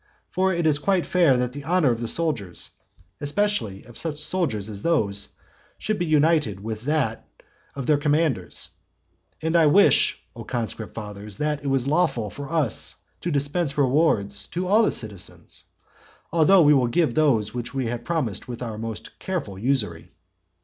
For it is quite fair that the honour of the soldiers, especially of such soldiers as those, should be united with that of their commanders. And I wish, O conscript fathers, that it was lawful for us to dispense rewards to all the citizens; although we will give those which we have promised with the most careful usury.